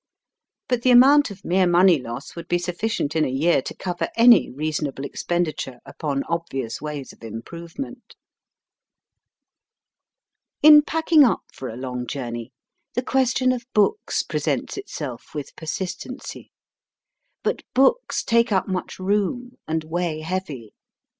But the amount of mere money loss would be sufficient in a year to cover any reasonable expenditure upon obvious ways of improvement. In packing up for a long journey the ques tion of books presents itself with persistency. But books take up much room, and weigh heavy.